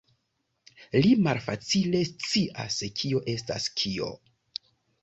Li malfacile scias kio estas kio.